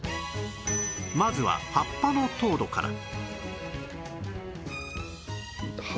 まずは葉っぱの糖度は８